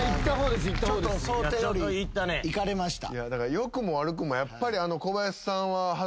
よくも悪くもやっぱり小林さんは。